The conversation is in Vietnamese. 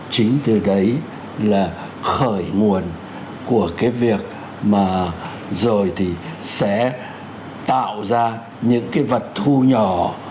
chính từ đấy là khởi nguồn của cái việc mà rồi thì sẽ tạo ra những cái vật thu nhỏ